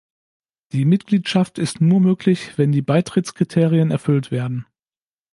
Die Mitgliedschaft ist nur möglich, wenn die Beitrittskriterien erfüllt werden.